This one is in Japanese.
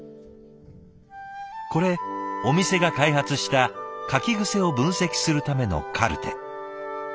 これお店が開発した書き癖を分析するためのカルテ。